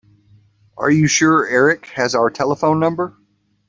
Are you sure Erik has our telephone number?